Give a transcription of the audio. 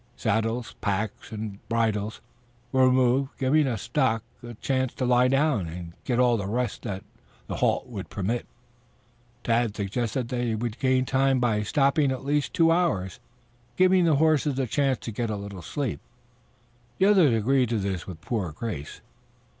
Saddles, packs and bridles were removed, giving the stock a chance to lie down and get all the rest that the halt would permit. Tad suggested that they would gain time by stopping at least two hours, giving the horses a chance to get a little sleep. The others agreed to this with poor grace.